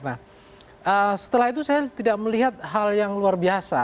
nah setelah itu saya tidak melihat hal yang luar biasa